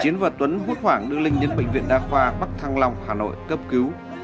chiến vật tuấn hút hoảng đưa linh đến bệnh viện đa khoa bắc thăng long hà nội cấp cứu